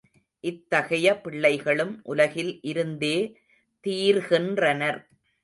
இத்தகைய பிள்ளைகளும் உலகில் இருந்தே தீர்கின்றனர்.